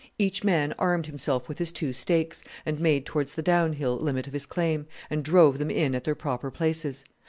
Each man armed himself with his two stakes, and made towards the down hill limit of his claim, and drove them in at their proper places.